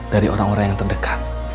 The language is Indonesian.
dari orang orang yang terdekat